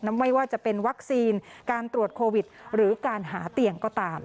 ไม่ว่าจะเป็นวัคซีนการตรวจโควิดหรือการหาเตียงก็ตาม